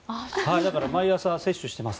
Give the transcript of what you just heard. だから、毎朝摂取しています。